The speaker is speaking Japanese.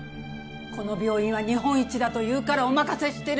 この病院は日本一だというからお任せしているんです。